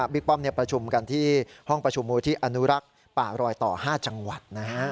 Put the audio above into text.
ป้อมประชุมกันที่ห้องประชุมมูลที่อนุรักษ์ป่ารอยต่อ๕จังหวัด